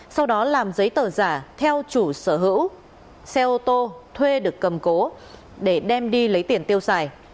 sau đó làm giấy tờ giả theo chủ sở hữu xe ô tô thuê được cầm cố để đem đi lấy tiền tiêu xài